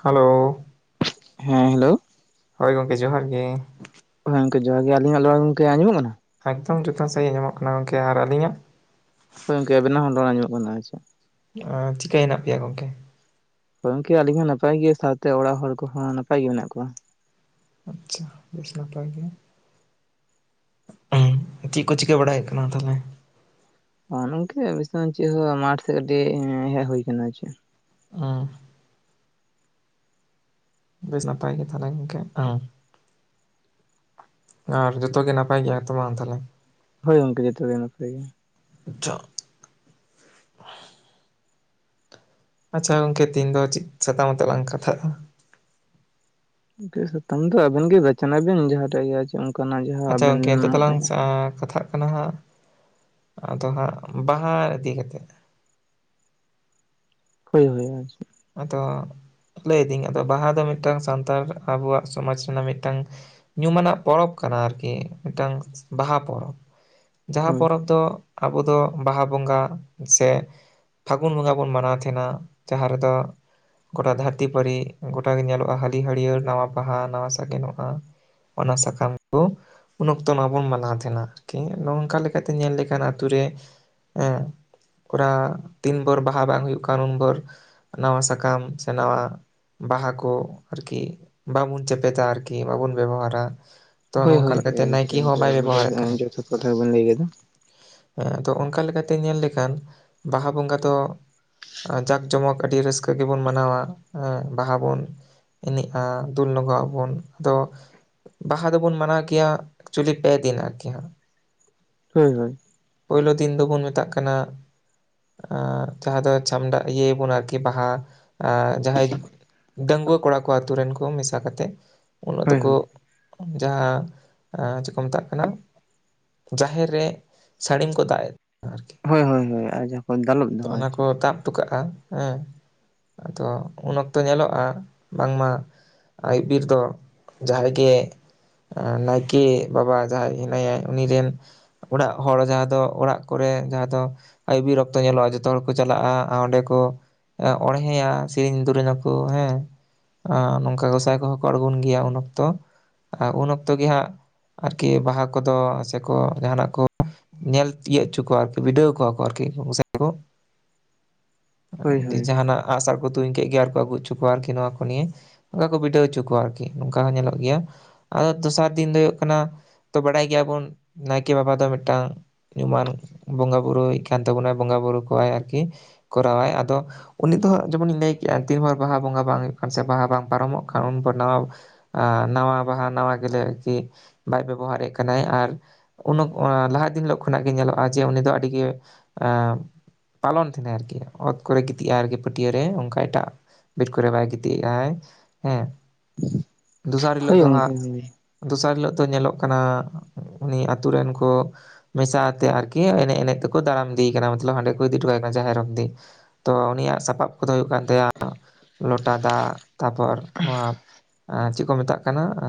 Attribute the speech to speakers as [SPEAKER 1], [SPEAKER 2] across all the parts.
[SPEAKER 1] Hello.
[SPEAKER 2] ᱦᱮᱸ hello.
[SPEAKER 1] ᱦᱳᱭ ᱜᱚᱝᱠᱮ ᱡᱚᱦᱟᱨ ᱜᱮ ᱾
[SPEAKER 2] ᱦᱮ ᱜᱚᱝᱠᱮ ᱡᱚᱦᱟᱨ ᱜᱮ ᱾ ᱟᱞᱤᱧᱟᱜ ᱞᱚᱲ ᱜᱚᱝᱠᱮ ᱟᱡᱸᱚᱢᱚᱜ ᱠᱟᱱᱟ?
[SPEAKER 1] ᱮᱠᱫᱚᱢ ᱡᱚᱛᱚᱱ ᱥᱟᱦᱤᱡ ᱟᱡᱚᱢᱚᱜ ᱠᱟᱱᱟ ᱜᱚᱢᱠᱮ ᱟᱨ ᱟᱹᱞᱤᱧᱟᱜ?
[SPEAKER 2] ᱦᱳᱭ ᱜᱚᱢᱠᱮ ᱟᱵᱮᱱᱟ ᱦᱚᱸ ᱨᱚᱲ ᱟᱧᱡᱚᱢ ᱚᱜ ᱠᱟᱱᱟ ᱟᱷᱟ ᱾
[SPEAKER 1] ᱪᱤᱠᱟᱹ ᱦᱮᱱᱟᱜ ᱯᱮᱭᱟ ᱜᱚᱢᱠᱮ?
[SPEAKER 2] ᱦᱚᱭ ᱜᱚᱝᱠᱮ ᱟᱞᱤᱧ ᱦᱚᱸ ᱱᱟᱯᱟᱭ ᱜᱮ ᱥᱟᱶᱛᱮ ᱚᱲᱟᱜ ᱦᱚᱲ ᱠᱚᱦᱚᱸ ᱱᱟᱯᱟᱭ ᱜᱮ ᱢᱮᱱᱟᱜ ᱠᱚᱣᱟ ᱾
[SPEAKER 1] ᱟᱪᱪᱷᱟ ᱵᱮᱥ ᱱᱟᱯᱟᱭ ᱜᱮ ᱾ ᱪᱮᱫ ᱠᱚ ᱪᱤᱠᱟᱹ ᱵᱟᱲᱟᱭ ᱦᱩᱭᱚᱜ ᱠᱟᱱᱟ ᱛᱟᱦᱚᱞᱮ?
[SPEAKER 2] ᱦᱚᱜᱚ ᱱᱤᱝᱠᱮ ᱵᱤᱥᱱᱩ ᱢᱟᱪᱤ ᱢᱟᱴ ᱥᱮᱫ ᱠᱟᱹᱴᱤᱡ ᱦᱮᱡ ᱦᱩᱭ ᱠᱟᱱᱟ ᱟᱨ ᱪᱮᱜ ᱾
[SPEAKER 1] ᱚᱸ ᱾ ᱵᱮᱥ ᱱᱟᱯᱟᱭ ᱜᱮ ᱛᱟᱦᱚᱞᱮ ᱜᱚᱢᱠᱮ ᱾ ᱟᱨ ᱡᱚᱛᱚ ᱜᱮ ᱱᱟᱯᱟᱭ ᱜᱮᱭᱟ ᱛᱚ ᱵᱟᱝ ᱛᱟᱦᱚᱞᱮ?
[SPEAKER 2] ᱦᱳᱭ ᱜᱚᱝᱠᱮ ᱡᱚᱛᱚ ᱜᱮ ᱱᱟᱯᱟᱭ ᱜᱮᱭᱟ ᱾
[SPEAKER 1] ᱪᱚᱜ‌ ᱾ ᱟᱪᱷᱟ ᱜᱚᱝᱠᱮ ᱛᱮᱦᱮᱧ ᱫᱚ ᱪᱮᱫ ᱥᱟᱛᱟᱢ ᱟᱛᱮ ᱞᱟᱝ ᱠᱟᱛᱷᱟᱜ-ᱟ?
[SPEAKER 2] ᱥᱟᱛᱟᱢ ᱫᱚ ᱟᱵᱤᱱ ᱜᱮ ᱵᱟᱪᱱᱟᱵᱤᱱ ᱡᱟᱦᱟᱸ ᱴᱟᱜ ᱜᱮ ᱾
[SPEAKER 1] ᱟᱪᱪᱷᱟ ᱜᱚᱝᱠᱮ ᱱᱤᱛᱚᱜ ᱫᱚᱞᱟᱝ ᱠᱟᱛᱷᱟᱜ ᱠᱟᱱᱟ ᱦᱟᱸᱜ ᱾ ᱟᱫᱚ ᱦᱟᱸᱜ ᱵᱟᱦᱟ ᱤᱫᱤ ᱠᱟᱛᱮᱫ ᱾
[SPEAKER 2] ᱦᱳᱭ ᱦᱳᱭ ᱾ ᱟᱪᱪᱷᱟ ᱾
[SPEAKER 1] ᱟᱫᱚ ᱞᱟᱹᱭ ᱤᱫᱤᱝ ᱟᱫᱚ ᱵᱟᱦᱟ ᱫᱚ ᱢᱤᱫᱴᱟᱝ ᱥᱟᱱᱛᱟᱲ ᱟᱵᱚᱣᱟᱜ ᱥᱚᱢᱟᱡᱽ ᱨᱮᱱᱟᱜ ᱢᱤᱫᱴᱟᱝ ᱧᱩᱢᱟᱱᱟᱜ ᱯᱚᱨᱚᱵᱽ ᱠᱟᱱᱟ ᱟᱨᱠᱤ ᱢᱤᱫᱴᱟᱝ ᱵᱟᱦᱟ ᱯᱚᱨᱚᱵᱽ ᱡᱟᱦᱟᱸ
[SPEAKER 2] ᱦᱳᱭ᱾
[SPEAKER 1] ᱯᱚᱨᱚᱵᱽ ᱫᱚ ᱟᱵᱚ ᱫᱚ ᱵᱟᱦᱟ ᱵᱚᱸᱜᱟ ᱥᱮ ᱯᱷᱟᱹᱜᱩᱱ ᱵᱚᱸᱜᱟ ᱵᱚᱱ ᱢᱟᱱᱟᱣ ᱛᱟᱦᱮᱱᱟ ᱡᱟᱦᱟᱸ ᱨᱮᱫᱚ
[SPEAKER 2] [unintelligible]
[SPEAKER 1] ᱜᱳᱴᱟ ᱫᱷᱟᱹᱨᱛᱤ ᱯᱟᱹᱨᱤ ᱜᱚᱴᱟ ᱜᱮ ᱧᱮᱞᱚᱜᱼᱟ ᱦᱟᱹᱞᱤ ᱦᱟᱹᱲᱭᱟᱹᱲ ᱱᱟᱣᱟ ᱵᱟᱦᱟ ᱱᱟᱣᱟ ᱥᱟᱜᱮᱱᱚᱜᱼᱟ ᱾ ᱚᱱᱟ ᱥᱟᱠᱟᱢ ᱠᱚ ᱾ ᱩᱱ ᱚᱠᱛᱚ ᱱᱚᱣᱟᱵᱚᱱ ᱢᱟᱱᱟᱣ ᱛᱟᱦᱮᱱᱟ ᱟᱨᱠᱤ ᱱᱚᱝᱠᱟ ᱞᱮᱠᱟᱛᱮ ᱧᱮᱞ ᱞᱮᱠᱷᱟᱱ ᱟᱹᱛᱩ ᱨᱮ ᱦᱮᱸ ᱚᱱᱟ ᱛᱤᱱ ᱵᱷᱳᱨ ᱵᱟᱦᱟ ᱵᱟᱝ ᱦᱩᱭᱩᱜ ᱠᱟᱱ ᱩᱱ ᱵᱷᱳᱨ ᱱᱟᱣᱟ ᱥᱟᱠᱟᱢ ᱥᱮ ᱱᱟᱣᱟ ᱵᱟᱦᱟ ᱠᱚ ᱟᱨᱠᱤ ᱵᱟᱵᱚᱱ ᱪᱮᱯᱮᱫᱟ ᱟᱨᱠᱤ ᱵᱟᱵᱚᱱ ᱵᱮᱵᱚᱦᱟᱨᱟ ᱾ ᱛᱚ
[SPEAKER 2] ᱦᱳᱭ
[SPEAKER 1] ᱱᱚᱝᱠᱟ
[SPEAKER 2] ᱦᱳᱭ
[SPEAKER 1] ᱞᱮᱠᱟᱛᱮ
[SPEAKER 2] ᱮᱠᱵᱟᱨᱮ
[SPEAKER 1] ᱱᱟᱭᱠᱮ
[SPEAKER 2] ᱜᱚᱝᱠᱮ
[SPEAKER 1] ᱦᱚᱸ ᱵᱟᱭ ᱵᱮᱵᱚᱦᱟᱨᱮᱫ
[SPEAKER 2] ᱮᱠᱵᱟᱨᱮ
[SPEAKER 1] ᱛᱟᱦᱮᱱᱟᱭ᱾
[SPEAKER 2] ᱡᱚᱛᱷᱟᱛ ᱠᱟᱛᱷᱟ ᱜᱮᱵᱮᱱ ᱞᱟᱹᱭ ᱠᱮᱫᱟ
[SPEAKER 1] ᱦᱮᱸ ᱟᱫᱚ ᱚᱱᱠᱟ ᱞᱮᱠᱟᱛᱮ ᱧᱮᱞ ᱞᱮᱠᱷᱟᱱ ᱵᱟᱦᱟ ᱵᱚᱸᱜᱟ ᱫᱚ ᱾ ᱡᱟᱸᱠ ᱡᱚᱢᱚᱠ ᱟᱹᱰᱤ ᱨᱟᱹᱥᱠᱟᱹ ᱜᱮᱵᱚᱱ ᱢᱟᱱᱟᱣᱟ ᱦᱮᱸ ᱵᱟᱦᱟ ᱵᱚᱱ ᱮᱱᱮᱡᱼᱟ ᱫᱩᱞ ᱞᱚᱜᱟᱣ ᱟᱵᱚᱱ ᱟᱫᱚ ᱵᱟᱦᱟ ᱫᱚᱵᱚᱱ ᱢᱟᱱᱟᱣ ᱠᱮᱭᱟ ᱮᱠᱪᱮᱞᱤ ᱯᱮ ᱫᱤᱱ ᱟᱨᱠᱤ ᱦᱟᱸᱜ ᱾
[SPEAKER 2] ᱦᱳᱭ ᱦᱳᱭ ᱾
[SPEAKER 1] ᱯᱳᱭᱞᱳ ᱫᱤᱱ ᱫᱚᱵᱚᱱ ᱢᱮᱛᱟᱜ ᱠᱟᱱᱟ ᱡᱟᱦᱟᱸ ᱫᱚ ᱪᱷᱟᱢᱰᱟ ᱤᱭᱟᱹᱭᱵᱚᱱ ᱟᱨᱠᱤ ᱾ ᱤ ᱵᱟᱦᱟ ᱮᱜ ᱡᱟᱦᱟᱸᱭ ᱰᱟᱺᱟᱹᱜᱩᱣᱟᱹ ᱠᱚᱲᱟ ᱠᱚ ᱟᱹᱛᱩ ᱨᱮᱱ ᱠᱚ ᱢᱮᱥᱟ ᱠᱟᱛᱮᱜ ᱩᱱᱟᱹᱜ
[SPEAKER 2] ᱦᱳᱭ
[SPEAKER 1] ᱫᱚᱠᱚ
[SPEAKER 2] ᱦᱳᱭ
[SPEAKER 1] ᱡᱟᱦᱟᱸ ᱪᱮᱫᱠᱚ ᱢᱮᱛᱟᱜ ᱠᱟᱱᱟ ᱾ ᱡᱟᱦᱮᱨ ᱨᱮ ᱥᱟᱹᱲᱤᱢ ᱠᱚ ᱫᱟᱜ
[SPEAKER 2] ᱦᱳᱭ ᱦᱳᱭ ᱦᱳᱭ ᱟᱨ ᱡᱟᱦᱟᱸ ᱠᱚ ᱫᱟᱞᱚᱵ
[SPEAKER 1] ᱮᱫᱟ᱾
[SPEAKER 2] ᱫᱚᱦᱚ ᱟᱨ
[SPEAKER 1] ᱚᱱᱟ ᱠᱚ
[SPEAKER 2] ᱪᱮᱫ
[SPEAKER 1] ᱛᱟᱵ ᱛᱩᱠᱟᱜᱼᱟ ᱦᱮᱸ ᱟᱫᱚ ᱩᱱ ᱚᱠᱛᱚ ᱧᱮᱞᱚᱜᱼᱟ ᱵᱟᱝᱢᱟ ᱟᱭ ᱵᱤᱨ ᱫᱚ ᱡᱟᱦᱟᱸᱭ ᱜᱮ ᱱᱟᱭᱠᱮ ᱵᱟᱵᱟ ᱡᱟᱦᱟᱸᱭ ᱦᱮᱱᱟᱭᱟᱭ ᱩᱱᱤ ᱨᱮᱱ ᱚᱲᱟᱜ ᱦᱚᱲ ᱡᱟᱦᱟᱸᱭ ᱫᱚ ᱚᱲᱟᱜ ᱠᱚᱨᱮ ᱡᱟᱦᱟᱸᱭ ᱫᱚ ᱟᱭᱵᱤᱨ ᱚᱠᱛᱚ ᱧᱮᱞᱚᱜᱼᱟ ᱡᱷᱚᱛᱚ ᱦᱚᱲ ᱠᱚ ᱪᱟᱞᱟᱜᱼᱟ ᱚᱸᱰᱮ ᱠᱚ ᱚᱸᱬᱦᱮᱭᱟ ᱥᱮᱨᱮᱧ ᱫᱩᱨᱟᱹᱝ ᱟᱠᱚ ᱦᱮᱸ ᱱᱚᱝᱠᱟ ᱜᱚᱸᱥᱟᱭ ᱠᱚᱦᱚᱸ ᱠᱚ ᱟᱬᱜᱚᱱ ᱜᱮᱭᱟ ᱩᱱ ᱚᱠᱛᱚ ᱟᱨ ᱩᱱ ᱚᱠᱛᱚ ᱜᱮ ᱦᱟᱸᱜ ᱟᱨᱠᱤ ᱵᱟᱦᱟ ᱠᱚᱫᱚ ᱥᱮᱠᱚ ᱡᱟᱦᱟᱱᱟᱜ ᱠᱚ᱾ ᱧᱮᱞ ᱛᱤᱭᱟᱹᱜ ᱦᱚᱪᱚ ᱠᱚᱣᱟ ᱟᱨᱠᱤ ᱵᱤᱰᱟᱹᱣ ᱠᱚᱣᱟ ᱠᱚ ᱟᱨᱠᱤ [inaudible] ᱠᱚ᱾
[SPEAKER 2] ᱦᱳᱭ
[SPEAKER 1] ᱡᱮ
[SPEAKER 2] ᱦᱳᱭ
[SPEAKER 1] ᱡᱟᱦᱟᱸᱱᱟᱜ ᱟᱸᱜᱥᱟᱨ ᱠᱚ ᱛᱩᱧ ᱠᱮᱫ ᱜᱮ ᱟᱨ ᱠᱚ ᱟᱹᱜᱩ ᱦᱚᱪᱚ ᱠᱚᱣᱟ ᱟᱨᱠᱤ ᱱᱚᱣᱟ ᱠᱚ ᱱᱤᱭᱮ ᱚᱱᱟ ᱠᱚ ᱵᱤᱰᱟᱹᱣ ᱦᱚᱪᱚ ᱠᱚᱣᱟ ᱟᱨᱠᱤ ᱱᱚᱝᱠᱟ ᱦᱚᱸ ᱧᱮᱞᱚᱜ ᱜᱮᱭᱟ ᱟᱨ ᱫᱚᱥᱟᱨ ᱫᱤᱱ ᱫᱚ ᱦᱳᱭᱳᱜ ᱠᱟᱱᱟ᱾ ᱛᱚ ᱵᱟᱰᱟᱭ ᱜᱮᱭᱟᱵᱚᱱ ᱱᱟᱭᱠᱮ ᱵᱟᱵᱟ ᱫᱚ ᱢᱤᱫᱴᱟᱝ ᱧᱩᱢᱟᱱ ᱵᱚᱸᱜᱟᱼᱵᱩᱨᱩᱭ ᱠᱟᱱ ᱛᱟᱵᱚᱱᱟᱭ ᱵᱚᱸᱜᱟ ᱵᱩᱨᱩ ᱠᱚᱣᱟᱭ ᱟᱨᱠᱤ ᱠᱚᱨᱟᱣᱟᱭ ᱟᱫᱚ ᱩᱱᱤ ᱫᱚ ᱦᱟᱸᱜ ᱡᱮᱢᱚᱱᱤᱧ ᱞᱟᱹᱭ ᱠᱮᱜᱼᱟ ᱛᱤᱱ ᱵᱷᱚᱨ ᱵᱟᱦᱟ ᱵᱚᱸᱜᱟ ᱵᱟᱝ ᱦᱩᱭᱩᱜ ᱠᱟᱱ ᱥᱮ ᱵᱟᱦᱟ ᱵᱟᱝ ᱯᱟᱨᱚᱢᱚᱜ ᱠᱟᱱ ᱩᱱᱚᱨ ᱱᱟᱣᱟ ᱟ ᱱᱟᱣᱟ ᱵᱟᱦᱟ ᱱᱟᱣᱟ ᱜᱮᱞᱮ ᱟᱨᱠᱤ ᱵᱟᱭ ᱵᱮᱵᱚᱦᱟᱨᱮᱫ ᱠᱟᱱᱟᱭ, ᱟᱨ ᱩᱱᱟᱹᱜ ᱞᱟᱦᱟ ᱫᱤᱱ ᱦᱤᱞᱳᱜ ᱠᱷᱚᱱᱟᱜ ᱜᱮ ᱧᱮᱞᱚᱜᱼᱟ, ᱡᱮ ᱩᱱᱤ ᱫᱚ ᱟᱹᱰᱤ ᱜᱮ ᱟ᱾ ᱯᱟᱞᱚᱱ ᱛᱟᱷᱮᱱᱟᱭ ᱟᱨᱠᱤ ᱠᱚᱨᱮ ᱜᱤᱛᱤᱡᱼᱟ ᱟᱨᱠᱤ ᱯᱟᱹᱴᱭᱟᱹ ᱨᱮ ᱚᱱᱠᱟ ᱮᱴᱟᱜ ᱵᱤᱨ ᱠᱚᱨᱮ ᱵᱟᱭ ᱜᱤᱛᱤᱡ ᱟᱭ ᱦᱮᱸ ᱫᱚᱥᱟᱨ ᱦᱤᱞᱳᱜ
[SPEAKER 2] ᱦᱳᱭ
[SPEAKER 1] ᱫᱚ
[SPEAKER 2] ᱜᱚᱝᱠᱮ
[SPEAKER 1] ᱦᱟᱸᱜ
[SPEAKER 2] ᱦᱳᱭ᱾
[SPEAKER 1] ᱫᱚᱥᱟᱨ ᱦᱤᱞᱳᱜ ᱫᱚ ᱧᱮᱞᱚᱜ ᱠᱟᱱᱟ ᱩᱱᱤ ᱟᱛᱩ ᱨᱮᱱ ᱠᱚ ᱢᱮᱥᱟ ᱟᱛᱮ ᱟᱨᱠᱤ ᱮᱱᱮᱡ ᱮᱱᱮᱡ ᱛᱮᱠᱚ ᱫᱟᱨᱟᱢ ᱤᱫᱤᱭᱮ ᱠᱟᱱᱟ ᱢᱚᱛᱞᱚᱵ ᱦᱟᱸᱰᱮ ᱠᱚ ᱤᱫᱤᱴᱩᱠᱟᱭ ᱠᱟᱱᱟ ᱡᱟᱦᱮᱨ ᱚᱵᱽᱫᱤ ᱛᱚ ᱩᱱᱤᱭᱟᱜ ᱥᱟᱯᱟᱵ ᱠᱚᱫᱚ ᱦᱩᱭᱩᱜ ᱠᱟᱱ ᱛᱟᱭᱟ ᱞᱚᱴᱟ ᱫᱟᱜ ᱛᱟᱯᱚᱨ ᱱᱚᱣᱟ ᱪᱮᱫ ᱠᱚ ᱢᱮᱛᱟᱜ ᱠᱟᱱᱟ ᱟ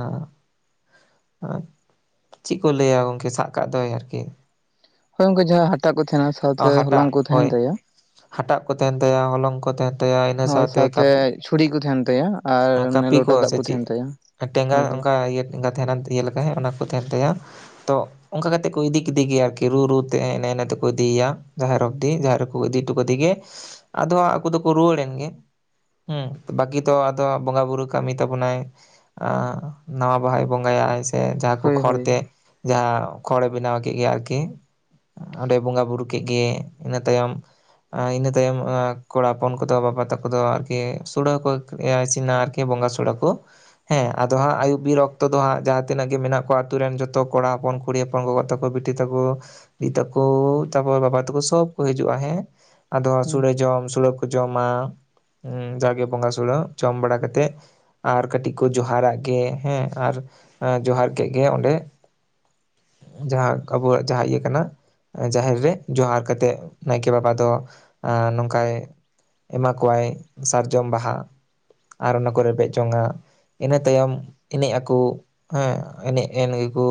[SPEAKER 1] ᱟᱨ ᱪᱮᱫ ᱠᱚ ᱞᱟᱹᱭᱟ ᱜᱚᱝᱠᱮ ᱥᱟᱜ ᱠᱟᱜ ᱫᱚᱭ ᱟᱨᱠᱤ
[SPEAKER 2] ᱦᱳᱭ ᱚᱱᱠᱟ ᱡᱟᱦᱟᱸ ᱦᱟᱴᱟᱜ ᱠᱚ ᱛᱟᱦᱮᱱᱟ ᱥᱟᱣᱛᱮ
[SPEAKER 1] ᱦᱟᱴᱟᱜ
[SPEAKER 2] ᱦᱚᱞᱚᱝ ᱠᱚ ᱛᱟᱦᱮᱱ
[SPEAKER 1] ᱦᱳᱭ
[SPEAKER 2] ᱛᱟᱭᱟ
[SPEAKER 1] ᱦᱟᱴᱟᱜ ᱠᱚ ᱛᱟᱦᱮᱱ ᱛᱟᱭᱟ ᱦᱚᱞᱚᱝ ᱠᱚ ᱛᱟᱦᱮᱱ ᱛᱟᱭᱟ ᱤᱱᱟᱹ
[SPEAKER 2] ᱦᱳᱭ
[SPEAKER 1] ᱥᱟᱶᱛᱮ
[SPEAKER 2] ᱥᱟᱣᱛᱮ
[SPEAKER 1] ᱠᱟᱹᱯᱤ
[SPEAKER 2] ᱪᱷᱩᱲᱤ ᱠᱚ ᱛᱟᱦᱮᱱ ᱛᱟᱭᱟ ᱟᱨ ᱢᱟᱱᱮ
[SPEAKER 1] ᱠᱟᱹᱯᱤ
[SPEAKER 2] ᱞᱚᱴᱟ ᱫᱟᱜ
[SPEAKER 1] ᱥᱮ
[SPEAKER 2] ᱠᱚ
[SPEAKER 1] ᱪᱮᱫ
[SPEAKER 2] ᱛᱟᱦᱮᱱ ᱛᱟᱭᱟ
[SPEAKER 1] ᱴᱮᱸᱜᱟ
[SPEAKER 2] ᱦᱳᱭ ᱦᱳᱭ
[SPEAKER 1] ᱚᱱᱠᱟ ᱤᱭᱟᱹ ᱴᱮᱸᱜᱟ ᱛᱟᱦᱮᱱᱟ ᱤᱭᱟᱹ ᱞᱮᱠᱟ ᱦᱮᱸ ᱚᱱᱟ ᱠᱚ ᱛᱟᱦᱮᱱ ᱛᱟᱭᱟ ᱛᱚ ᱚᱱᱠᱟ ᱠᱟᱛᱮᱜ ᱠᱚ ᱤᱫᱤ ᱠᱤᱫᱮ ᱜᱮᱭᱟ ᱟᱨᱠᱤ ᱨᱩ ᱨᱩ ᱛᱮ ᱮᱸ ᱮᱱᱮᱡ ᱮᱱᱮᱡ ᱛᱮᱠᱚ ᱤᱫᱤᱭᱮᱭᱟ ᱡᱟᱦᱮᱨ ᱚᱵᱽᱫᱤ ᱡᱟᱦᱮᱨ ᱨᱮ ᱠᱚ ᱤᱫᱤ ᱦᱚᱴᱚ ᱠᱟᱫᱮ ᱜᱮ ᱟᱫᱚ ᱦᱟᱸᱜ ᱟᱠᱩ ᱫᱚᱠᱚ ᱨᱩᱣᱟᱹᱲ ᱮᱱ ᱜᱮ ᱦᱩᱸ ᱵᱟᱠᱤ ᱛᱚ ᱟᱫᱚ ᱵᱚᱸᱜᱟ ᱵᱩᱨᱩ ᱠᱟᱹᱢᱤ ᱛᱟᱵᱚᱱᱟᱭ ᱟ ᱱᱟᱣᱟ ᱵᱟᱦᱟᱭ ᱵᱚᱸᱜᱟᱭᱟᱭ, ᱥᱮ ᱡᱟᱦᱟᱸ ᱠᱚ
[SPEAKER 2] ᱦᱳᱭ
[SPEAKER 1] ᱠᱷᱚᱲ ᱛᱮ ᱡᱟᱦᱟᱸ ᱠᱷᱚᱲ ᱮ ᱵᱮᱱᱟᱣ ᱠᱮᱜ ᱜᱮᱭᱟ ᱟᱨᱠᱤ ᱚᱸᱰᱮᱭ ᱵᱚᱸᱜᱟ ᱵᱩᱨᱩ ᱠᱮᱜ ᱜᱮ ᱤᱱᱟᱹ ᱛᱟᱭᱚᱢ ᱟᱸ ᱤᱱᱟᱹ ᱛᱟᱭᱚᱢ ᱟᱸ ᱠᱚᱲᱟ ᱦᱚᱯᱚᱱ ᱠᱚᱫᱚ ᱵᱟᱵᱟ ᱛᱟᱠᱚ ᱫᱚ ᱟᱨᱠᱤ ᱥᱩᱲᱟᱹ ᱠᱚ ᱮ ᱤᱥᱤᱱᱟ ᱟᱨᱠᱤ ᱵᱚᱸᱜᱟ ᱥᱩᱲᱟᱹ ᱠᱩ ᱦᱮᱸ ᱟᱫᱚ ᱦᱟᱸᱜ ᱟᱭᱩᱵ ᱵᱤᱨ ᱚᱠᱛᱚ ᱫᱚ ᱦᱟᱸᱜ ᱡᱟᱦᱟᱸ ᱛᱤᱱᱟᱹ ᱜᱤ ᱢᱮᱱᱟᱜ ᱠᱚᱣᱟ ᱟᱛᱩ ᱨᱮᱱ ᱡᱚᱛᱚ ᱠᱚᱲᱟ ᱦᱚᱯᱚᱱ ᱠᱩᱲᱤ ᱦᱚᱯᱚᱱ ᱜᱚᱜᱚ ᱛᱟᱠᱚ, ᱵᱤᱴᱤ ᱛᱟᱠᱚ, ᱫᱤ ᱛᱟᱠᱚ, ᱛᱟᱯᱚᱨ ᱵᱟᱵᱟ ᱛᱟᱠᱚ ᱥᱚᱵ ᱠᱚ ᱦᱤᱡᱩᱜᱼᱟ ᱦᱮᱸ᱾ ᱟᱫᱚ
[SPEAKER 2] ᱦᱳᱭ
[SPEAKER 1] ᱥᱚᱲᱟᱹ ᱡᱚᱢ ᱥᱩᱲᱟᱹ ᱠᱚ ᱡᱚᱢᱟ ᱩ ᱡᱟᱜᱮ ᱵᱚᱸᱜᱟ ᱥᱩᱲᱟᱹ ᱡᱚᱢ ᱵᱟᱲᱟ ᱠᱟᱛᱮᱜ ᱟᱨ ᱠᱟᱹᱴᱤᱡ ᱠᱚ ᱡᱚᱦᱟᱨᱟᱜ ᱜᱮ ᱦᱮᱸ ᱟᱨ ᱡᱚᱦᱟᱨ ᱠᱮᱜ ᱜᱮ ᱚᱸᱰᱮ᱾ ᱡᱟᱦᱟᱸ ᱠᱟᱵᱚᱣᱟᱜ ᱡᱟᱦᱟᱸ ᱤᱭᱟᱹ ᱠᱟᱱᱟ᱾ ᱡᱟᱦᱮᱨ ᱨᱮ, ᱡᱚᱦᱟᱨ ᱠᱟᱛᱮᱜ ᱱᱟᱭᱠᱮ ᱵᱟᱵᱟ ᱫᱚ ᱟᱸ ᱱᱚᱝᱠᱟᱭ ᱮᱢᱟ ᱠᱚᱣᱟᱭ ᱥᱟᱨᱡᱚᱢ ᱵᱟᱦᱟ ᱟᱨ ᱚᱱᱟ ᱠᱚ ᱨᱮᱵᱮᱫ ᱡᱚᱝᱼᱟ᱾ ᱤᱱᱟᱹ ᱛᱟᱭᱚᱢ ᱮᱱᱮᱡ ᱟᱠᱩ ᱦᱮᱸ ᱮᱱᱮᱡ ᱮᱱ ᱜᱮᱠᱩ᱾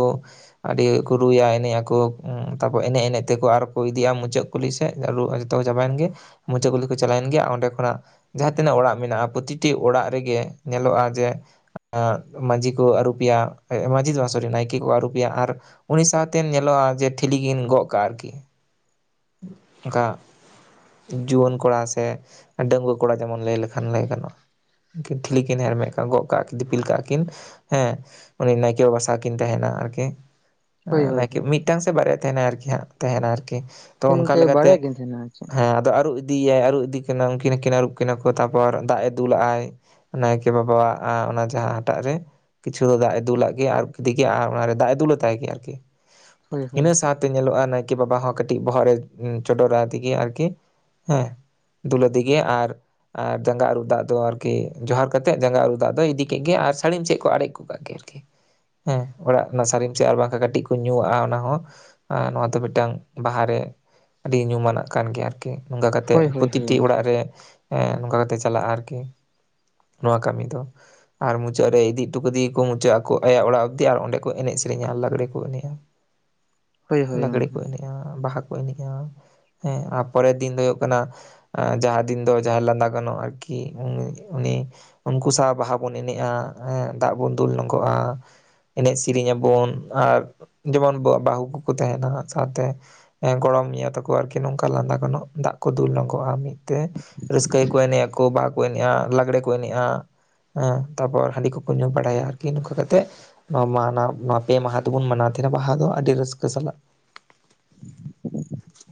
[SPEAKER 1] ᱟᱹᱰᱤ ᱜᱮᱠᱩ ᱨᱩᱭᱟ ᱮᱱᱮᱡ ᱟᱠᱚ ᱩ ᱛᱟᱯᱚᱨ ᱮᱱᱮᱡ ᱮᱱᱮᱡ ᱛᱮᱠᱚ ᱟᱨ ᱦᱚᱸᱠᱚ ᱤᱫᱤᱭᱟ ᱢᱩᱪᱟᱹᱜ ᱠᱩᱞᱤ ᱥᱮᱜ [inaudible] ᱩᱨ ᱟᱨ ᱡᱚᱛᱚ ᱪᱟᱵᱟᱭᱮᱱ ᱜᱮ ᱢᱩᱪᱟᱹᱜ ᱠᱩᱞᱤ ᱠᱚ ᱪᱟᱞᱟᱣᱮᱱ ᱜᱮ ᱟᱨ ᱚᱸᱰᱮ ᱠᱷᱚᱱᱟᱜ ᱡᱟᱦᱟᱸ ᱛᱤᱱᱟᱹᱜ ᱚᱲᱟᱜ ᱢᱮᱱᱟᱜᱼᱟ ᱯᱨᱚᱛᱤᱴᱤ ᱚᱲᱟᱜ ᱨᱮᱜᱮ ᱧᱮᱞᱚᱜᱼᱟ ᱡᱮ, ᱟᱸᱜ ᱢᱟᱺᱡᱷᱤ ᱠᱚ ᱟᱹᱨᱩᱯᱮᱭᱟ ᱮᱸᱜ ᱢᱟᱺᱡᱷᱤ ᱫᱚ ᱵᱟ ᱥᱚᱨᱤ ᱱᱟᱭᱠᱮ ᱠᱚ ᱟᱹᱨᱩᱯᱮᱭᱟ ᱟᱨ ᱩᱱᱤ ᱥᱟᱶᱛᱮᱱ ᱧᱮᱞᱚᱜᱼᱟ ᱡᱮ ᱴᱷᱤᱞᱤ ᱜᱤᱱ ᱜᱚᱜ ᱠᱟᱜᱼᱟ ᱟᱨᱠᱤ ᱾ ᱚᱱᱠᱟ ᱡᱩᱣᱟᱹᱱ ᱠᱚᱲᱟ ᱥᱮ ᱰᱟᱺᱜᱣᱟᱹ ᱠᱚᱲᱟ ᱡᱮᱢᱚᱱ ᱞᱟᱹᱭ ᱞᱮᱠᱷᱟᱱ ᱞᱟᱹᱭ ᱜᱟᱱᱚᱜᱼᱟ ᱾ ᱠᱤᱱ ᱴᱷᱤᱞᱤ ᱠᱤᱱ ᱦᱮᱨᱢᱮᱫ ᱜᱟᱜ ᱠᱟᱜᱟ ᱠᱤ ᱫᱤᱯᱤᱞ ᱠᱟᱜ ᱠᱤᱱ ᱦᱮᱸ᱾ ᱩᱱᱤ ᱱᱟᱭᱠᱮ ᱵᱟᱵᱟ ᱥᱟᱣ ᱠᱤᱱ ᱛᱟᱦᱮᱱᱟ ᱟᱨᱠᱤ ᱾
[SPEAKER 2] ᱦᱳᱭ
[SPEAKER 1] ᱮᱸ
[SPEAKER 2] ᱦᱳᱭ
[SPEAKER 1] ᱱᱟᱭᱠᱮ
[SPEAKER 2] ᱦᱳᱭ
[SPEAKER 1] ᱢᱤᱫᱴᱟᱝ ᱥᱮ ᱵᱟᱨᱭᱟ ᱛᱟᱦᱮᱱᱟᱭ ᱟᱨᱠᱤ ᱦᱟᱸᱜ ᱛᱟᱦᱮᱱᱟ ᱟᱨᱠᱤ ᱾ ᱛᱚ ᱚᱱᱠᱟ
[SPEAKER 2] ᱜᱚᱝᱠᱮ
[SPEAKER 1] ᱞᱮᱠᱟᱛᱮ
[SPEAKER 2] ᱵᱟᱲᱟᱭ ᱠᱤᱱ ᱛᱟᱦᱮᱱᱟ ᱟᱨ ᱪᱮᱫ
[SPEAKER 1] ᱦᱮᱸ ᱟᱫᱚ ᱟᱨᱩᱜ ᱫᱤᱭᱮ ᱟᱹᱨᱩ ᱤᱫᱤ ᱠᱤᱱᱟ ᱩᱱᱠᱤᱱ ᱦᱚᱸ ᱠᱤᱱ ᱟᱹᱨᱩᱵ ᱠᱤᱱᱟ ᱠᱚ ᱛᱟᱨᱯᱚᱨ ᱫᱟᱜ ᱮ ᱫᱩᱞᱟᱜᱼᱟᱭ ᱾ ᱱᱟᱭᱠᱮ ᱵᱟᱵᱟᱣᱟᱜ ᱟᱸ ᱚᱱᱟ ᱡᱟᱦᱟᱸ ᱦᱟᱴᱟᱜ ᱨᱮ᱾ ᱠᱤᱪᱷᱩ ᱫᱚ ᱫᱟᱜ ᱮ ᱫᱩᱞᱟᱜ ᱜᱮᱭᱟ ᱟᱨ ᱟᱨᱩᱵ ᱠᱤᱫᱤ ᱜᱤ ᱟᱨ ᱚᱱᱟᱨᱮ ᱫᱟᱜ ᱮ ᱫᱩᱞ ᱟᱛᱟᱭ ᱜᱮᱭᱟ ᱟᱨᱠᱤ ᱾
[SPEAKER 2] ᱦᱳᱭ ᱦᱳᱭ
[SPEAKER 1] ᱤᱱᱟᱹ ᱥᱟᱶᱛᱮ ᱧᱮᱞᱚᱜᱼᱟ ᱱᱟᱭᱠᱮ ᱵᱟᱵᱟ ᱦᱚᱸ ᱠᱟᱹᱴᱤᱡ ᱵᱚᱦᱚᱜ ᱨᱮ ᱪᱚᱰᱚᱨᱟ ᱛᱤᱜᱤ ᱟᱨᱠᱤ ᱾ ᱦᱮᱸ ᱫᱩᱞᱟᱹ ᱟᱫᱤᱜᱮ ᱟᱨ ᱟᱨ ᱡᱟᱸᱜᱟ ᱟᱹᱨᱩ ᱫᱟᱜ ᱫᱚ ᱟᱨᱠᱤ ᱡᱚᱸᱦᱟᱨ ᱠᱟᱛᱮᱫ ᱡᱟᱸᱜᱟ ᱟᱹᱨᱩᱵ ᱫᱟᱜ ᱫᱚᱭ ᱤᱫᱤ ᱠᱮᱜ ᱜᱮ ᱟᱨ ᱥᱟᱹᱲᱤᱢ ᱥᱮᱫ ᱠᱚ ᱟᱲᱮᱡ ᱠᱚ ᱠᱟᱜ ᱠᱮ ᱟᱨᱠᱤ ᱾ ᱦᱮᱸ ᱚᱲᱟᱜ ᱨᱮᱱᱟᱜ ᱥᱟᱨᱤᱢ ᱥᱮ ᱟᱨ ᱵᱟᱝᱠᱷᱟ ᱠᱟᱹᱴᱤᱡ ᱠᱚ ᱧᱩᱣᱟᱜᱼᱟ ᱚᱱᱟ ᱦᱚᱸ ᱟᱸ ᱱᱚᱣᱟ ᱛᱚ ᱢᱤᱫᱴᱟᱝ ᱵᱟᱦᱟᱨᱮ ᱟᱹᱰᱤ ᱧᱩᱢᱟᱱᱟᱜ ᱠᱟᱱ ᱜᱮᱭᱟ ᱟᱨᱠᱤ ᱱᱚᱝᱠᱟ ᱠᱟᱛᱮᱜ
[SPEAKER 2] ᱦᱳᱭ ᱦᱳᱭ ᱦᱳᱭ
[SPEAKER 1] ᱯᱨᱚᱛᱤᱴᱤ
[SPEAKER 2] ᱜᱚᱝᱠᱮ
[SPEAKER 1] ᱚᱲᱟᱜ ᱨᱮ ᱮᱸ ᱱᱚᱝᱠᱟ ᱠᱟᱛᱮ ᱪᱟᱞᱟᱜᱼᱟ ᱟᱨᱠᱤ ᱱᱚᱣᱟ ᱠᱟᱹᱢᱤ ᱫᱚ᱾ ᱟᱨ ᱢᱩᱪᱟᱹᱫ ᱨᱮ ᱤᱫᱤ ᱩᱴᱩ ᱠᱟᱫᱮᱭᱟ ᱠᱚ ᱢᱩᱪᱟᱹᱫ ᱟᱠᱚ ᱟᱭᱟᱜ ᱚᱲᱟᱜ ᱚᱵᱫᱤ ᱟᱨ ᱚᱸᱰᱮ ᱠᱚ ᱮᱱᱮᱡ ᱥᱮᱨᱮᱧᱟ ᱞᱟᱜᱽᱲᱮ ᱠᱚ ᱮᱱᱮᱡᱼᱟ ᱾
[SPEAKER 2] ᱦᱳᱭ ᱦᱳᱭ ᱜᱚᱝᱠᱮ᱾
[SPEAKER 1] ᱵᱟᱦᱟ ᱠᱚ ᱮᱱᱮᱡᱼᱟ, ᱦᱮᱸ ᱟ ᱯᱚᱨᱮᱨ ᱫᱤᱱ ᱫᱚ ᱦᱩᱭᱩᱜ ᱠᱟᱱᱟ ᱟᱸ ᱡᱟᱦᱟᱸ ᱫᱤᱱ ᱫᱚ ᱡᱟᱦᱟᱸ ᱞᱟᱸᱫᱟ ᱜᱟᱱᱚᱜ-ᱟ ᱟᱨᱠᱤ ᱩᱱᱤ ᱩᱱᱤ ᱩᱱᱠᱩ ᱥᱟᱶ ᱵᱟᱦᱟ ᱵᱚᱱ ᱮᱱᱮᱡᱼᱟ ᱦᱮᱸ ᱫᱟᱜ ᱵᱚᱱ ᱫᱩᱞ ᱱᱚᱜᱚᱜᱼᱟ᱾ ᱮᱱᱮᱡ ᱥᱤᱨᱤᱧ ᱟᱵᱚᱱ ᱟᱨ ᱡᱮᱢᱚᱱ ᱵᱚ ᱵᱟᱹᱦᱩ ᱠᱚᱠᱚ ᱛᱟᱦᱮᱱᱟ ᱦᱟᱸᱜ ᱟ ᱛᱮ ᱜᱚᱲᱚᱢᱤᱭᱟᱹ ᱛᱟᱠᱚ ᱟᱨᱠᱤ ᱱᱚᱝᱠᱟ ᱞᱟᱸᱫᱟ ᱜᱟᱱᱚᱜ ᱫᱟᱜ ᱠᱚ ᱫᱩᱞ ᱱᱚᱜᱚᱜᱼᱟ ᱢᱤᱫ ᱛᱮ᱾ ᱨᱟᱹᱥᱠᱟᱭᱟ ᱠᱩ ᱮᱱᱮᱡ ᱟᱠᱚ ᱵᱟᱦᱟ ᱠᱚ ᱮᱱᱮᱜᱼᱟ ᱞᱟᱜᱽᱲᱮ ᱠᱚ ᱮᱱᱮᱜᱼᱟ᱾ ᱦᱮᱸ ᱛᱟᱨᱯᱚᱨ ᱦᱟᱺᱰᱤ ᱠᱚᱠᱚ ᱧᱩ ᱵᱟᱲᱟᱭᱟ ᱟᱨᱠᱤ ᱱᱚᱝᱠᱟ ᱠᱟᱛᱮᱜ ᱱᱚᱣᱟ ᱢᱟᱦᱟᱱᱟᱣ ᱱᱚᱣᱟ ᱯᱮ ᱢᱟᱦᱟ ᱛᱚᱵᱩᱱ ᱢᱟᱱᱟᱣ ᱛᱮᱦᱮᱱᱟ ᱵᱟᱦᱟ ᱫᱚ ᱟᱹᱰᱤ ᱨᱟᱹᱥᱠᱟᱹ ᱥᱟᱞᱟᱜ᱾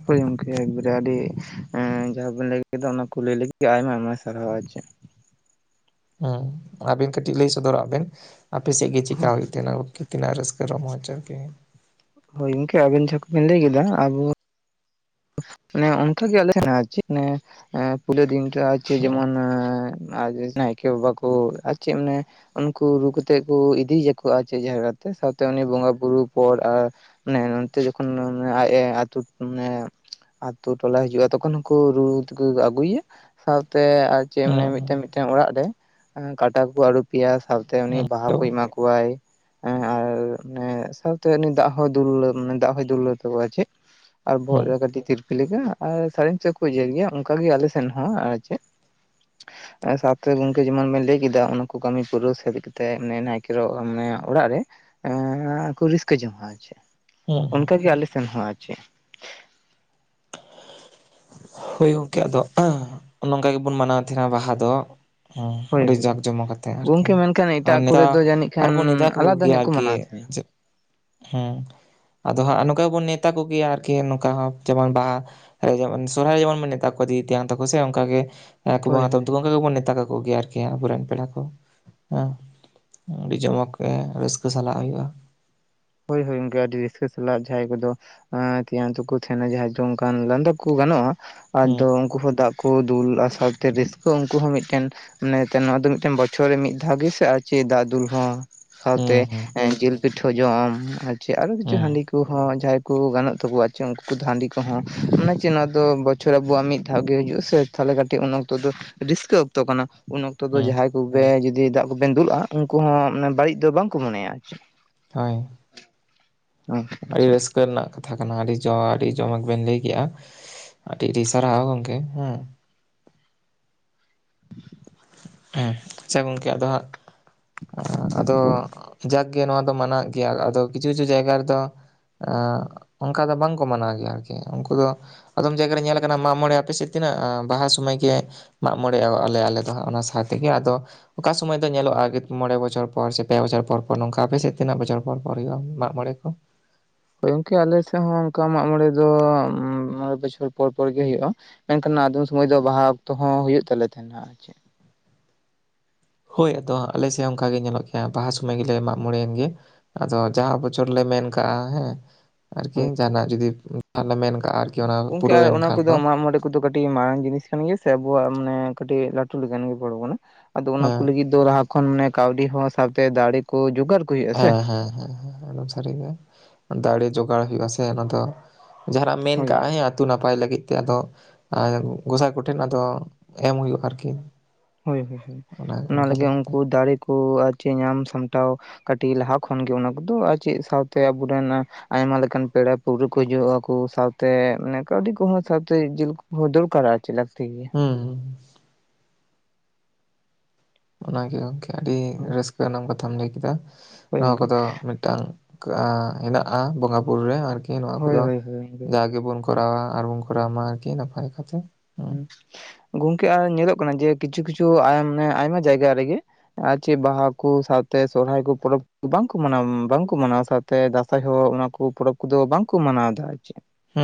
[SPEAKER 2] ᱦᱳᱭ ᱜᱚᱝᱠᱮ ᱮᱠᱵᱟᱨᱮ ᱟᱹᱰᱤ ᱦᱮᱸ ᱡᱟᱦᱟᱸ ᱵᱤᱱ ᱞᱟᱹᱭ ᱠᱮᱫᱟ ᱚᱱᱟ ᱠᱩ ᱞᱟᱹᱭ ᱞᱟᱹᱜᱤᱫ ᱟᱭᱢᱟ ᱟᱭᱢᱟ ᱥᱟᱨᱦᱟᱣ ᱟᱨ ᱪᱮᱫ᱾
[SPEAKER 1] ᱦᱩᱸ ᱟᱵᱮᱱ ᱠᱟᱹᱴᱤᱡ ᱞᱟᱹᱭ ᱥᱚᱫᱚᱨᱟᱜ ᱵᱮᱱ ᱟᱯᱮ ᱥᱮᱫ ᱜᱮ ᱪᱮᱠᱟ ᱦᱩᱭᱩᱜ? ᱠᱱᱟ ᱠᱱᱟ ᱟᱨ ᱨᱟᱹᱥᱠᱟᱹ ᱨᱚᱢᱚᱡᱽ ᱟᱨᱠᱤ
[SPEAKER 2] ᱦᱳᱭ ᱜᱚᱝᱠᱮ ᱟᱵᱤᱱ ᱡᱟᱦᱟ ᱠᱚ ᱵᱤᱱ ᱞᱟᱹᱭ ᱠᱮᱫᱟ ᱟᱵᱚ ᱾ ᱢᱮ ᱚᱱᱠᱟᱜᱮ ᱟᱞᱮ [inaudible] ᱯᱳᱞᱳ ᱫᱤᱱ ᱟᱨ ᱪᱮᱫ
[SPEAKER 1] ᱦᱩᱸ
[SPEAKER 2] ᱡᱮᱢᱚᱱ ᱱᱟᱭᱠᱮ ᱵᱟᱵᱟ ᱠᱚ ᱟᱨ ᱪᱮᱫ ᱢᱟᱱᱮ ᱾ ᱩᱱᱠᱩ ᱨᱩ ᱠᱟᱛᱮᱫ ᱠᱚ ᱤᱫᱤᱭᱟᱠᱚ ᱟᱨ ᱪᱮᱫ ᱡᱟᱭᱜᱟᱛᱮ ᱥᱟᱶᱛᱮ ᱩᱱᱤ ᱵᱚᱸᱜᱟ ᱵᱩᱨᱩ ᱯᱚᱨ ᱟᱨ ᱢᱟᱱᱮ ᱱᱚᱱᱚᱛᱮ ᱡᱚᱠᱷᱚᱱ ᱢᱟᱱᱮ ᱟᱡ ᱮ ᱟᱛᱩ ᱢᱟᱱᱮ ᱾ ᱟᱛᱳ ᱴᱚᱞᱟ ᱦᱤᱡᱩᱜᱼᱟ ᱛᱚᱠᱷᱚᱱ ᱦᱚᱸᱠᱩ ᱨᱩ ᱛᱮᱠᱚ ᱟᱹᱜᱩᱭᱮᱭᱟ ᱥᱟᱶᱛᱮ ᱟᱨ ᱪᱮᱫ ᱢᱟᱱᱮ
[SPEAKER 1] ᱦᱩᱸ ᱦᱩᱸ
[SPEAKER 2] ᱢᱤᱫᱴᱮᱱ ᱾ ᱢᱤᱫᱴᱮᱱ ᱚᱲᱟᱜ ᱨᱮ ᱠᱟᱴᱟ ᱠᱚᱠᱚ ᱟᱹᱨᱩᱯᱮᱭᱟ ᱥᱟᱶᱛᱮ ᱩᱱᱤ
[SPEAKER 1] ᱦᱩᱸ
[SPEAKER 2] ᱵᱟᱦᱟ ᱠᱚᱭ
[SPEAKER 1] ᱦᱮᱞᱳ
[SPEAKER 2] ᱮᱢᱟ ᱠᱚᱣᱟᱭ ᱾ ᱦᱸ ᱟᱨ ᱱᱮ ᱥᱟᱶᱛᱮ ᱩᱱᱤ ᱫᱟᱜ ᱦᱚᱸ ᱫᱩᱞ ᱫᱟᱜ ᱦᱚᱸᱭ ᱫᱩᱞ ᱛᱟᱠᱚᱣᱟ ᱪᱮᱫ ᱾ ᱟᱨ ᱵᱚᱦᱚᱜ
[SPEAKER 1] ᱦᱩᱸ
[SPEAKER 2] ᱨᱮ ᱠᱟᱴᱤ ᱛᱤᱨᱯᱤᱞ ᱞᱮᱠᱟ ᱟᱨ ᱥᱟᱨᱮᱱ ᱥᱮᱫ ᱠᱚ ᱩᱡᱮᱨ ᱜᱮᱭᱟ ᱚᱱᱠᱟᱜᱮ ᱟᱞᱮ ᱥᱮᱱ ᱦᱚᱸ ᱟᱨ ᱪᱮᱫ ᱟᱨ ᱥᱟᱶ ᱛᱮ ᱜᱚᱝᱠᱮ ᱡᱮᱢᱚᱱ ᱵᱮᱱ ᱞᱟᱹᱭ ᱠᱮᱫᱟ ᱚᱱᱟ ᱠᱚ ᱠᱟᱹᱢᱤ ᱯᱩᱨᱟᱹᱣ ᱥᱮ ᱠᱟᱛᱮᱫ ᱚᱱᱮ ᱱᱟᱭᱠᱮ ᱢᱟᱱᱮ ᱚᱲᱟᱜ ᱨᱮ ᱮ ᱠᱚ ᱨᱟᱹᱥᱠᱟᱹ ᱡᱚᱝᱟ ᱟᱨ ᱪᱮᱫ
[SPEAKER 1] ᱦᱩᱸ ᱦᱩᱸ
[SPEAKER 2] ᱚᱱᱠᱟᱜᱮ ᱟᱞᱮ ᱥᱮᱱ ᱦᱚᱸ ᱟᱨ ᱪᱮᱫ
[SPEAKER 1] ᱦᱳᱭ ᱜᱚᱢᱠᱮ ᱟᱫᱚ ᱱᱚᱝᱠᱟ ᱜᱮᱵᱚᱱ ᱢᱟᱱᱟᱣ ᱛᱟᱦᱮᱱᱟ ᱵᱟᱦᱟ ᱫᱚ᱾ ᱦᱮᱸ
[SPEAKER 2] ᱦᱳᱭ
[SPEAKER 1] ᱟᱹᱰᱤ
[SPEAKER 2] ᱦᱳᱭ
[SPEAKER 1] ᱡᱟᱠ ᱡᱚᱢᱚᱠ ᱠᱟᱛᱮᱜ ᱟᱨᱠᱤ
[SPEAKER 2] ᱜᱚᱝᱠᱮ ᱢᱮᱱᱠᱷᱟᱱ
[SPEAKER 1] ᱟᱨ
[SPEAKER 2] ᱮᱴᱟᱜ ᱠᱚᱨᱮ
[SPEAKER 1] ᱱᱮᱛᱟᱨ
[SPEAKER 2] ᱫᱚ ᱡᱟᱹᱱᱤᱡ ᱠᱷᱟᱱ
[SPEAKER 1] ᱟᱨᱵᱚᱱ ᱱᱮᱛᱟ
[SPEAKER 2] ᱟᱞᱟᱫᱟ
[SPEAKER 1] ᱠᱚᱜᱮᱭᱟ
[SPEAKER 2] ᱧᱚᱜ ᱠᱚ
[SPEAKER 1] ᱟᱨᱠᱤ
[SPEAKER 2] ᱢᱟᱱᱟᱣ
[SPEAKER 1] ᱾
[SPEAKER 2] [unintelligible]
[SPEAKER 1] ᱦᱮᱸ ᱟᱫᱚ ᱦᱟᱸᱜ ᱱᱚᱝᱠᱟᱵᱚᱱ ᱱᱮᱛᱟ ᱠᱚᱜᱮᱭᱟ ᱟᱨᱠᱤ ᱱᱚᱝᱠᱟ ᱦᱚᱸ᱾ ᱡᱮᱢᱚᱱ ᱵᱟᱦᱟ ᱨᱮ ᱡᱮᱢᱚᱱ ᱥᱚᱨᱦᱟᱭ ᱡᱮᱢᱚᱱ ᱢᱮᱱᱮᱫ ᱛᱟᱠᱚ ᱫᱤ ᱛᱮᱭᱟᱱ ᱛᱟᱠᱚ ᱥᱮ ᱚᱱᱠᱟᱜ ᱜᱮ᱾ ᱦᱮᱸ ᱠᱩᱢᱟᱨ
[SPEAKER 2] ᱦᱳᱭ
[SPEAKER 1] ᱦᱟᱛᱚᱢ
[SPEAKER 2] ᱦᱳᱭ
[SPEAKER 1] ᱛᱮ ᱠᱚ ᱜᱮᱵᱚᱱ ᱱᱮᱛᱟ ᱠᱚᱜᱭᱟᱨᱠᱤ ᱜᱮᱭᱟ ᱟᱵᱚᱨᱮᱱ ᱯᱮᱲᱟ ᱠᱚ ᱦᱮ ᱟᱹᱰᱤ ᱡᱚᱢᱚᱠ ᱜᱮ ᱨᱟᱹᱥᱠᱟᱹ ᱥᱟᱞᱟᱜ ᱦᱩᱭᱩᱜᱼᱟ᱾
[SPEAKER 2] ᱦᱳᱭ ᱦᱳᱭ ᱜᱚᱝᱠᱮ ᱟᱹᱰᱤ ᱨᱟᱹᱥᱠᱟᱹ ᱥᱟᱞᱟᱜ ᱡᱟᱦᱟᱸᱭ ᱠᱚᱫᱚ ᱛᱮᱭᱟᱟᱝ ᱛᱟᱠᱚ ᱛᱟᱦᱮᱱᱟ ᱡᱟᱦᱟᱸ ᱫᱚ ᱚᱱᱠᱟᱱ ᱞᱟᱸᱫᱟ ᱠᱚ ᱜᱟᱱᱚᱜᱼᱟ ᱟᱫᱚ
[SPEAKER 1] ᱦᱩᱸ
[SPEAKER 2] ᱩᱱᱠᱩ ᱦᱚᱸ ᱫᱟᱜ ᱠᱚ ᱫᱩᱞᱼᱟ ᱥᱟᱶᱛᱮ ᱨᱟᱹᱥᱠᱟᱹ ᱩᱱᱠᱩ ᱦᱚᱸ ᱢᱤᱫᱴᱮᱱ᱿ ᱢᱟᱱᱮ ᱱᱚᱣᱟ ᱫᱚ ᱢᱤᱫᱴᱮᱱ ᱵᱚᱪᱷᱚᱨ ᱨᱮ ᱢᱤᱫ ᱫᱷᱟᱣ ᱜᱮᱥᱮ ᱟᱨ ᱪᱮᱫ ᱫᱟᱜ ᱫᱩᱞ ᱦᱚᱸ
[SPEAKER 1] ᱦᱩᱸ
[SPEAKER 2] ᱥᱟᱶᱛᱮ
[SPEAKER 1] ᱦᱩᱸ
[SPEAKER 2] ᱡᱤᱞ ᱯᱤᱴᱷᱟᱹ ᱡᱚᱢ ᱟᱨ ᱟᱨᱚ ᱠᱤᱪᱷᱩ
[SPEAKER 1] ᱦᱩᱸ
[SPEAKER 2] ᱦᱟᱺᱰᱤ ᱠᱚᱦᱚᱸ ᱡᱟᱦᱟᱭ ᱠᱚ ᱜᱟᱱᱚᱜ ᱛᱟᱠᱚᱣᱟ ᱪᱮ ᱩᱱᱠᱩ ᱦᱟᱺᱰᱤ ᱠᱚᱦᱚᱸ ᱚᱱᱟ ᱪᱮ ᱱᱚᱣᱟ ᱫᱚ ᱵᱚᱪᱷᱚᱨ ᱟᱵᱚᱣᱟᱜ ᱢᱤᱫ ᱫᱷᱟᱣ ᱜᱮ ᱦᱤᱡᱩᱜᱼᱟ ᱥᱮ ᱛᱟᱦᱚᱞᱮ ᱠᱟᱹᱴᱤᱡ ᱩᱱ ᱚᱠᱛᱚ ᱫᱚ ᱨᱟᱹᱥᱠᱟᱹ ᱚᱠᱛᱚ ᱠᱟᱱᱟ ᱩᱱ ᱚᱠᱛᱚ ᱫᱚᱭ
[SPEAKER 1] ᱦᱩᱸ
[SPEAKER 2] ᱠᱚ ᱵᱮ ᱡᱩᱫᱤ ᱫᱟᱜ ᱠᱚᱵᱮᱱ ᱫᱩᱞᱟᱜᱼᱟ ᱩᱱᱠᱩ ᱦᱚᱸ ᱵᱟᱹᱲᱤᱡ ᱫᱚ ᱵᱟᱝᱠᱚ ᱢᱚᱱᱮᱭᱟ
[SPEAKER 1] ᱦᱳᱭ
[SPEAKER 2] [unintelligible]
[SPEAKER 1] ᱨᱟᱹᱠᱟᱹ ᱨᱮᱱᱟᱜ ᱠᱟᱛᱷᱟ ᱠᱟᱱᱟ ᱟᱹᱰᱤ ᱡᱚ ᱟᱹᱰᱤ ᱡᱚᱢᱚᱠ ᱵᱮᱱ ᱞᱟᱹᱭ ᱠᱮᱜᱼᱟ᱾ ᱟᱹᱰᱤ ᱟᱹᱰᱤ ᱥᱟᱨᱦᱟᱣ ᱜᱚᱢᱠᱮ ᱦᱮᱸ ᱦᱮᱸ ᱟᱪᱪᱷᱟ ᱜᱚᱢᱠᱮ ᱟᱫᱚ ᱦᱟᱸᱜ ᱟᱫᱚ ᱡᱟᱠᱜᱮ ᱱᱚᱣᱟ ᱫᱚ ᱢᱮᱱᱟᱜ ᱜᱮᱭᱟ ᱟᱫᱚ ᱠᱤᱪᱷᱩ ᱠᱤᱪᱷᱩ ᱡᱟᱭᱜᱟ ᱨᱮᱫᱚ ᱚᱱᱠᱟ ᱫᱚ ᱵᱟᱝᱠᱚ ᱢᱟᱱᱟᱣ ᱜᱮᱭᱟ ᱟᱨᱠᱤ ᱩᱱᱠᱩ ᱫᱚ ᱟᱫᱚᱢ ᱡᱟᱭᱜᱟ ᱨᱮ ᱧᱮᱞ ᱟᱠᱟᱱᱟ ᱢᱟᱜᱽ ᱢᱚᱬᱮ ᱟᱯᱮᱥᱮᱫ ᱛᱤᱱᱟᱹᱜ ᱵᱟᱦᱟ ᱥᱩᱚᱢᱚᱭ ᱜᱮ ᱢᱟᱜ ᱢᱚᱬᱮᱞᱮ ᱟᱞᱮ ᱫᱚ ᱚᱱᱟ ᱥᱟᱶᱛᱮᱜᱮ ᱟᱫᱚ ᱚᱠᱟ ᱥᱚᱢᱚᱭ ᱫᱚ ᱧᱮᱞᱚᱜᱼᱟ ᱢᱚᱬᱮ ᱵᱚᱪᱚᱨ ᱚᱠᱟ ᱥᱟᱢᱚᱭ ᱫᱚ ᱧᱮᱞᱚᱜ ᱼᱟ ᱢᱚᱬᱮ ᱵᱚᱪᱷᱚᱨ ᱥᱮ ᱯᱮ ᱵᱚᱪᱷᱚᱨ ᱯᱚᱨ ᱱᱚᱝᱠᱟ ᱟᱯᱮᱮᱥᱮᱫ ᱛᱤᱱᱟᱹᱜ ᱵᱚᱪᱷᱚᱨ ᱯᱚᱨ-ᱯᱚᱨ ᱦᱩᱭᱩᱜᱼᱟ ᱢᱟᱜ ᱢᱚᱬᱮ ᱠᱚ
[SPEAKER 2] ᱦᱚᱭ ᱜᱚᱝᱠᱮ ᱟᱞᱮᱮᱥᱮᱫ ᱦᱚᱸ ᱚᱱᱠᱟ ᱢᱟᱜ ᱢᱚᱬᱮ ᱫᱚ ᱢᱚᱬᱮ ᱵᱚᱪᱷᱚᱨ ᱯᱚᱨ ᱯᱚᱨ ᱜᱮ ᱦᱳᱭᱳᱼᱟ ᱢᱮᱱᱠᱷᱟᱱ ᱟᱫᱚᱢ ᱥᱚᱢᱚᱭ ᱫᱚ ᱵᱟᱦᱟ ᱚᱠᱛᱚ ᱦᱚᱸ ᱦᱩᱭᱩᱜ ᱛᱟᱞᱮ ᱛᱟᱦᱮᱱᱟ ᱟᱨ ᱪᱮᱫ᱾
[SPEAKER 1] ᱦᱳᱭ ᱟᱫᱚ ᱟᱞᱮᱮᱥᱮᱫ ᱚᱱᱠᱟ ᱜᱮ ᱧᱮᱞᱚᱜ ᱜᱮᱭᱟ ᱵᱟᱦᱟ ᱥᱚᱢᱚᱭ ᱜᱮᱞᱮ ᱢᱟᱜ ᱢᱚᱬᱮᱭᱮᱱ ᱜᱮ᱾ ᱟᱫᱚ ᱡᱟᱦᱟᱸ ᱵᱚᱪᱷᱚᱨ ᱞᱮ ᱢᱮᱱ ᱠᱟᱜᱼᱟ ᱦᱮᱸ ᱟᱨᱠᱤ
[SPEAKER 2] ᱦᱳᱭ᱾
[SPEAKER 1] ᱡᱟᱦᱟᱱᱟᱜ ᱡᱩᱫᱤ ᱟᱨᱞᱮ ᱢᱮᱱ ᱠᱟᱜᱼᱟ ᱟᱨᱠᱤ ᱚᱱᱟ ᱯᱩᱨᱟᱹᱣᱮᱱ ᱠᱷᱟᱱ ᱫᱚ
[SPEAKER 2] ᱩᱱᱠᱩᱫᱚ ᱠᱟᱹᱴᱤᱡ ᱢᱟᱨᱟᱝ ᱡᱤᱱᱤᱥ ᱠᱟᱱ ᱜᱮᱭᱟ ᱥᱮ ᱟᱵᱚᱣᱟᱜ ᱢᱟᱱᱮ ᱠᱟᱹᱴᱤᱡ ᱞᱴᱩᱠ ᱜᱮ ᱯᱚᱲᱚᱚᱱᱟ ᱟᱫᱚ ᱚᱱᱟ
[SPEAKER 1] ᱦᱮᱸ
[SPEAKER 2] ᱠᱚ ᱞᱟᱜᱤᱫ ᱞᱟᱦᱟ ᱠᱷᱚᱱ ᱢᱟᱱᱮ ᱠᱟᱹᱣᱰᱤ ᱦᱚᱸ ᱥᱟᱶᱛᱮ ᱫᱟᱲᱮ ᱠᱚ ᱡᱚᱜᱟᱲ ᱠᱚ ᱦᱩᱭᱩᱜᱼᱟ ᱥᱮ
[SPEAKER 1] ᱦᱮᱸ ᱦᱮᱸ ᱮᱠᱫᱚᱢ ᱥᱟᱹᱨᱤ ᱜᱮ ᱫᱟᱲᱮ ᱡᱚᱜᱟᱲ ᱦᱩᱭᱩᱜ ᱟ ᱥᱮ ᱚᱱᱟ ᱫᱚ ᱡᱟᱦᱟᱱᱟᱜ
[SPEAKER 2] ᱦᱳᱭ᱾
[SPEAKER 1] ᱢᱮᱱᱠᱟᱜ [unintelligible] ᱟᱛᱩ ᱱᱟᱯᱟᱭ ᱞᱟᱹᱜᱤᱫ ᱛᱮ ᱟᱫᱚ ᱜᱚᱸᱥᱟᱭ ᱠᱚᱴᱷᱮᱱ ᱟᱫᱚ ᱮᱢ ᱦᱩᱭᱩᱜᱼᱟ ᱟᱨᱠᱤ
[SPEAKER 2] ᱦᱳᱭ ᱦᱳᱭ ᱚᱱᱟ
[SPEAKER 1] ᱚᱱᱠᱟ
[SPEAKER 2] ᱞᱟᱹᱜᱤᱫ
[SPEAKER 1] ᱞᱮᱠᱟᱛᱮ
[SPEAKER 2] ᱩᱱᱠᱩ ᱫᱟᱨᱮ ᱠᱚ ᱟᱨ ᱪᱮᱫ ᱧᱟᱢ ᱥᱟᱢᱴᱟᱣ ᱠᱟᱹᱴᱤᱡ ᱞᱟᱦᱟ ᱠᱷᱚᱱᱜᱮ ᱚᱱᱟ ᱠᱚᱫᱚ ᱟᱨ ᱪᱮᱫ ᱥᱟᱶᱛᱮ ᱟᱵᱚᱨᱮᱱ ᱟᱭᱢᱟ ᱞᱮᱠᱟᱱ ᱯᱮᱲᱟ ᱯᱟᱹᱲᱦᱟᱹ ᱠᱚ ᱦᱤᱡᱩᱜ ᱟᱠᱚ ᱥᱟᱶᱛᱮ ᱢᱟᱱᱮ ᱠᱟᱹᱣᱰᱤ ᱠᱚᱦᱚᱸ ᱥᱟᱶᱛᱮ ᱡᱮᱞ ᱠᱚᱦᱚ ᱫᱚᱨᱠᱟᱨᱟ ᱪᱮ ᱞᱟᱹᱛᱤ ᱜᱮᱭᱟ
[SPEAKER 1] ᱦᱩᱸ ᱚᱱᱟᱜᱮ ᱜᱚᱝᱠᱮ ᱟᱹᱰᱤ
[SPEAKER 2] ᱦᱳᱭ
[SPEAKER 1] ᱨᱟᱹᱥᱠᱟᱹ ᱟᱱᱟᱜ ᱠᱟᱛᱷᱟᱢ ᱞᱟᱹᱭ ᱠᱮᱫᱟ
[SPEAKER 2] ᱦᱳᱭ
[SPEAKER 1] ᱱᱚᱣᱟ
[SPEAKER 2] ᱜᱚᱝᱠᱮ
[SPEAKER 1] ᱠᱚᱫᱚ ᱢᱤᱫ ᱢᱤᱫᱴᱟᱝ ᱦᱮᱱᱟᱜᱼᱟ ᱵᱚᱸᱜᱟ ᱵᱩᱨᱩ ᱨᱮ ᱟᱨᱠᱤ ᱱᱚᱣᱟ
[SPEAKER 2] ᱦᱳᱭ
[SPEAKER 1] ᱠᱚᱫᱚ
[SPEAKER 2] ᱦᱳᱭ ᱦᱳᱭ
[SPEAKER 1] ᱡᱟ ᱜᱮᱵᱚᱱ- ᱠᱚᱨᱟᱣᱟ ᱟᱨᱵᱚᱱ ᱠᱚᱣᱟ ᱢᱟ ᱟᱨᱠᱤ ᱱᱟᱯᱟᱭ ᱠᱟᱛᱮ᱾ ᱦᱩᱸ
[SPEAKER 2] ᱦᱮ ᱜᱚᱝᱠᱮ ᱟᱨ ᱧᱮᱞᱚᱜ ᱠᱟᱱᱟ ᱡᱮ ᱠᱤᱪᱷᱩ ᱠᱤᱪᱷᱩ ᱟᱭ ᱟᱭᱢᱟ ᱡᱟᱭᱜᱟ ᱨᱮᱜᱮ ᱟᱨ ᱪᱮᱫ ᱵᱟᱦᱟ ᱠᱚ ᱥᱟᱶᱛᱮ ᱥᱚᱦᱨᱟᱭ ᱠᱚ ᱯᱚᱨᱚᱵᱽ ᱠᱚ ᱵᱟᱝᱠᱚ ᱢᱟᱱᱟ ᱵᱟᱝᱠᱚ ᱢᱟᱱᱟᱣᱟ ᱥᱟᱶ ᱛᱚ ᱫᱟᱸᱥᱟᱭ ᱦᱚᱸ ᱚᱱᱟ ᱠᱚ ᱯᱚᱨᱚᱵᱽ ᱠᱚᱫᱚ ᱵᱟᱝᱠᱚ ᱢᱟᱱᱟᱣ ᱫᱟ ᱟᱨ ᱪᱮᱫ
[SPEAKER 1] ᱦᱮ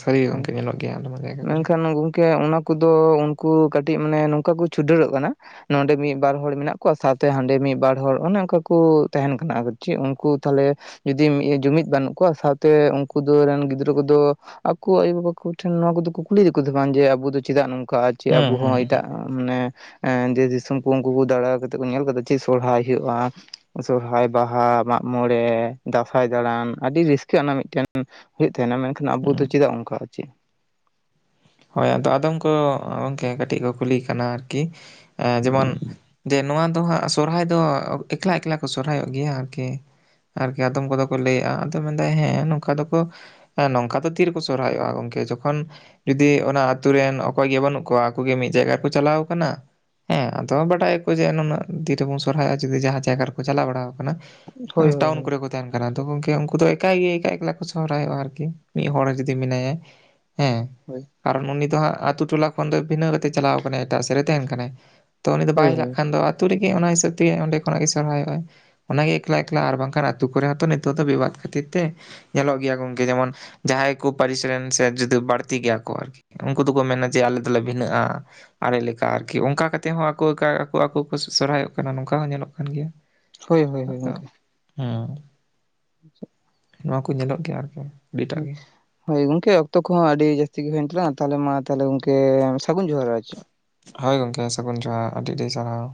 [SPEAKER 1] ᱥᱟᱹᱨᱤ ᱜᱮ ᱜᱚᱢᱠᱮ ᱧᱮᱞᱚᱜ ᱜᱮᱭᱟ ᱟᱢᱟ ᱡᱟᱭᱜᱟ ᱠᱚᱨᱮ᱿
[SPEAKER 2] ᱠᱮ ᱚᱱᱟ ᱠᱚᱫᱚ ᱩᱱᱠᱩ ᱠᱟᱹᱴᱤᱡ ᱢᱟᱱᱮ ᱱᱚᱝᱠᱟ ᱠᱚ ᱪᱷᱩᱰᱟᱹᱨᱚᱜ ᱠᱟᱱᱟ ᱱᱚᱰᱮ ᱢᱤᱫ ᱵᱟᱨ ᱦᱚᱲ ᱢᱮᱱᱟᱜ ᱠᱚᱣᱟ ᱥᱟᱶᱛᱮ ᱦᱟᱸᱰᱮ ᱢᱤᱫᱵᱟᱨ ᱦᱚᱲ ᱚᱱᱮ ᱚᱱᱠᱟ ᱠᱚ ᱛᱟᱦᱮᱱ ᱠᱟᱱᱟ ᱟᱨ ᱪᱮᱫ ᱩᱱᱠᱩ ᱛᱟᱦᱞᱮ ᱡᱩᱫᱤ ᱡᱩᱢᱤᱫ ᱵᱟᱹᱱᱩᱜ ᱠᱚᱣᱟ ᱥᱟᱶᱛᱮ ᱩᱱᱠᱩ ᱫᱚ ᱨᱮᱱ ᱜᱤᱫᱽᱨᱟᱹ ᱠᱚᱫᱚ᱿ ᱟᱠᱚ ᱟᱭᱳᱵᱟᱵᱟ ᱠᱚᱴᱷᱮᱱ ᱱᱚᱣᱟ ᱠᱚᱫᱚ ᱠᱚ ᱠᱩᱞᱤᱭᱮᱫᱠᱚᱵᱚᱱ ᱡᱮ ᱟᱵᱚ ᱫᱚ ᱪᱮᱫᱟᱜ ᱱᱚᱝᱠᱟ ᱪᱮ
[SPEAKER 1] ᱦᱩᱸ
[SPEAKER 2] ᱟᱵᱚ ᱦᱚᱸ
[SPEAKER 1] ᱦᱩᱸ ᱦᱩᱸ
[SPEAKER 2] ᱮᱴᱟᱜ ᱢᱟᱱᱮ ᱮ ᱫᱮᱥ ᱫᱤᱥᱚᱢ ᱠᱚ ᱩᱱᱠᱩ ᱠᱚ ᱫᱟᱬᱟ ᱠᱟᱛᱮᱫ ᱠᱚ ᱧᱮᱞ ᱠᱟᱫᱟ ᱪᱮᱫ ᱥᱚᱨᱦᱟᱭ ᱦᱩᱭᱩᱜᱼᱟ᱿ ᱥᱚᱦᱟᱭ ᱵᱟᱦᱟ ᱢᱟᱜᱢᱚᱬᱮ ᱫᱟᱸᱥᱟᱭ ᱫᱟᱬᱟᱱ ᱟᱹᱰᱤ ᱨᱟᱹᱥᱠᱟᱹ ᱟᱱᱟᱜ ᱢᱤᱫᱴᱮᱱ ᱦᱩᱭᱩᱜ ᱛᱟᱦᱮᱱᱟ ᱢᱮᱱᱠᱷᱟᱱ ᱟᱵᱚ
[SPEAKER 1] ᱦᱩᱸ
[SPEAKER 2] ᱫᱚ ᱪᱮᱫᱟᱜ ᱚᱱᱠᱟ ᱦᱮᱪᱮ᱾
[SPEAKER 1] ᱦᱳᱭ ᱟᱫᱚ ᱟᱫᱚᱢ ᱠᱚ ᱜᱚᱢᱠᱮ ᱠᱟᱹᱴᱤᱡ ᱠᱚ ᱠᱩᱞᱤ ᱠᱟᱱᱟ ᱟᱨᱠᱤ ᱡᱮᱢᱚᱱ ᱡᱮ ᱱᱚᱣᱟ ᱫᱚ ᱦᱟᱸᱜ ᱥᱚᱨᱦᱟᱭ ᱫᱚ ᱮᱠᱞᱟ ᱮᱠᱞᱟ ᱠᱚ ᱥᱚᱨᱦᱟᱭᱚᱜ ᱜᱮᱭᱟ ᱟᱨᱠᱤ ᱟᱨᱠᱤ ᱟᱫᱚᱢ ᱠᱚᱫᱚ ᱠᱚ ᱞᱟᱹᱭᱮᱜᱼᱟ ᱟᱫᱚᱚᱢ ᱢᱮᱱᱫᱟ ᱦᱮᱸ ᱱᱚᱝᱠᱟ ᱫᱚᱠᱚ ᱦᱮᱸ ᱱᱚᱝᱠᱟ ᱫᱚ ᱛᱤ ᱨᱤᱠᱚ ᱥᱚᱨᱦᱟᱭᱚᱜᱼᱟ ᱜᱚᱝᱠᱮ ᱡᱚᱠᱷᱚᱱ ᱡᱩᱫᱤ ᱚᱱᱟ ᱟᱛᱩ ᱨᱮᱱ ᱚᱠᱚᱭ ᱜᱮ ᱵᱟᱹᱱᱩᱜ ᱠᱚᱣᱟ ᱟᱠᱚ ᱜᱮ ᱢᱤᱫ ᱡᱟᱭᱜᱟ ᱨᱮᱠᱚ ᱪᱟᱞᱟᱣ ᱠᱟᱱᱟ ᱦᱮᱸ ᱟᱫᱚ ᱵᱟᱰᱟᱭᱟᱠᱚ ᱡᱮ ᱱᱩᱱᱟᱹᱜ ᱫᱤᱱᱨᱮᱵᱚᱱ ᱥᱚᱨᱦᱟᱭᱚᱜᱼᱟ ᱡᱩᱫᱤ ᱡᱟᱦᱟᱸ ᱡᱟᱭᱜᱟ ᱨᱮᱠᱚ ᱪᱟᱞᱟᱣ ᱵᱟᱲᱟ ᱠᱟᱱᱟ
[SPEAKER 2] ᱦᱳᱭ ᱦᱳᱭ
[SPEAKER 1] ᱴᱟᱣᱩᱱ
[SPEAKER 2] ᱦᱳᱭ
[SPEAKER 1] ᱠᱚᱨᱮ ᱠᱚ ᱛᱟᱦᱮᱱᱟ ᱠᱟᱱᱟ ᱛᱚ ᱜᱚᱝᱠᱮ ᱩᱱᱠᱩ ᱫᱚ ᱮᱠᱟᱭ ᱜᱮ ᱮᱠᱞᱟ ᱮᱠᱞᱟ ᱠᱚ ᱥᱚᱦᱨᱟᱭᱚᱜᱼᱟ ᱟᱨᱠᱤ ᱢᱤᱫ ᱦᱚᱲ ᱡᱩᱫᱤ ᱢᱮᱱᱟᱭᱟ ᱦᱮᱸ
[SPEAKER 2] ᱦᱳᱭ
[SPEAKER 1] ᱠᱟᱨᱚᱱ ᱩᱱᱤ ᱫᱚ ᱦᱟᱸᱜ ᱟᱛᱳ ᱴᱚᱞᱟ ᱠᱷᱚᱱ ᱫᱚᱭ ᱵᱷᱤᱱᱟᱹ ᱠᱟᱛᱮ ᱪᱟᱞᱟᱣ ᱠᱟᱱᱟᱭ ᱮᱴᱟᱜ ᱥᱮᱜ ᱨᱮ ᱛᱟᱦᱮᱱ ᱠᱟᱱᱟᱭ ᱛᱚ ᱩᱱᱤ ᱫᱚ
[SPEAKER 2] ᱦᱳᱭ
[SPEAKER 1] ᱵᱟᱭ ᱪᱟᱜ
[SPEAKER 2] ᱦᱳᱭ
[SPEAKER 1] ᱠᱷᱟᱱ ᱫᱚ ᱟᱛᱩ ᱨᱤᱜᱤ ᱚᱱᱟ ᱦᱤᱥᱟᱹᱵᱽ ᱛᱮᱜᱮ ᱚᱸᱰᱮ ᱠᱷᱚᱱᱟᱜ ᱜᱮ ᱥᱚᱨᱦᱟᱭᱚᱜᱼᱟ ᱚᱱᱟᱜᱮ ᱮᱠᱞᱟ ᱮᱠᱞᱟ ᱟᱨ ᱵᱟᱝᱠᱷᱟᱱ ᱟᱛᱩ ᱠᱚ ᱨᱮᱦᱚᱛᱚ ᱱᱤᱛᱚᱜ ᱛᱚ ᱵᱤᱵᱟᱫ ᱠᱷᱟᱹᱛᱤᱨ ᱛᱮ ᱧᱮᱞᱚᱜ ᱜᱮᱭᱟ ᱜᱚᱝᱠᱮ ᱡᱮᱢᱚᱱ ᱡᱟᱦᱟᱸᱭ ᱠᱚ ᱯᱟᱹᱨᱤᱥ ᱨᱮᱱ ᱥᱮ ᱡᱩᱫᱟ. ᱵᱟᱹᱲᱛᱤ ᱜᱮᱭᱟ ᱠᱚ ᱠᱚ ᱟᱨᱠᱤ ᱩᱱᱠᱩ ᱫᱚᱠᱚ ᱢᱮᱱᱟ ᱡᱮ ᱟᱞᱮ ᱫᱚᱞᱮ ᱵᱷᱤᱱᱟᱹᱜᱼᱟ ᱟᱲᱮ ᱞᱮᱠᱟ ᱟᱨᱠᱤ ᱚᱱᱠᱟ ᱠᱟᱛᱮᱜ ᱦᱚᱸ ᱟᱠᱚ ᱟᱠᱚ ᱟᱠᱚ ᱠᱚ ᱥᱚᱨᱦᱟᱭᱚᱜ ᱠᱟᱱᱟ ᱱᱚᱝᱠᱟ ᱦᱚᱸ ᱧᱮᱞᱚᱜ ᱠᱟᱱ ᱜᱮᱭᱟ᱾
[SPEAKER 2] ᱦᱳᱭ ᱦᱳᱭ ᱜᱚᱝᱠᱮ
[SPEAKER 1] ᱦᱩᱸ
[SPEAKER 2] ᱟᱪᱪᱷᱟ
[SPEAKER 1] ᱱᱚᱣᱟ ᱠᱚ ᱧᱮᱞᱚᱜ ᱜᱮᱭᱟ ᱟᱨᱠᱤ᱾ ᱟᱹᱰᱤᱴᱟᱜ
[SPEAKER 2] ᱦᱩᱸ
[SPEAKER 1] ᱜᱮ
[SPEAKER 2] ᱦᱳᱭ ᱜᱚᱝᱠᱮ ᱚᱠᱛᱚ ᱠᱚ ᱦᱚᱸ ᱟᱹᱰᱤ ᱡᱟᱹᱥᱛᱤ ᱜᱮ ᱦᱩᱭᱮᱱ ᱛᱟᱞᱟᱝᱟ ᱛᱟᱦᱞᱮ ᱢᱟ ᱛᱟᱦᱞᱮ ᱜᱚᱝᱠᱮ ᱥᱟᱹᱜᱩᱱ ᱡᱚᱸᱦᱟᱨ ᱟᱨ ᱪᱮᱫ
[SPEAKER 1] ᱦᱳᱭ ᱜᱚᱢᱠᱮ ᱥᱟᱹᱜᱩᱱ ᱡᱚᱸᱦᱟᱨ ᱟᱹᱰᱤ ᱟᱹᱰᱤ ᱥᱟᱨᱦᱟᱣ